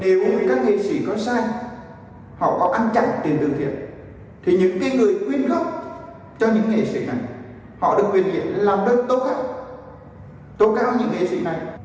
nếu như các nghệ sĩ có sai họ có ăn chặt tiền thương thiện thì những người quyên góp cho những nghệ sĩ này họ được quyền nghiệp làm đơn tốt khác tốt cao những nghệ sĩ này